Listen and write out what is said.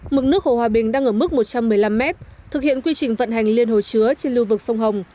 mực nước hồ hòa bình đang ở mức một trăm một mươi năm mét thực hiện quy trình vận hành liên hồ chứa trên lưu vực sông hồng